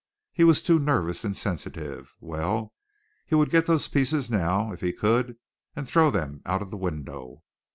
He was too nervous and sensitive. Well, he would get those pieces now if he could and throw them out of the window.